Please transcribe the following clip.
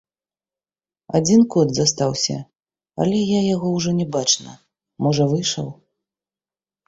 Адзін кот застаўся, але я яго ўжо не бачна, можа, выйшаў.